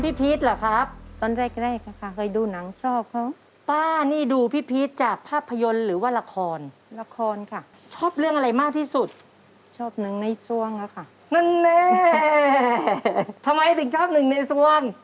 สิบหลายสิบหลายสิบหลายสิบหลายสิบหลายสิบหลายสิบหลายสิบหลาย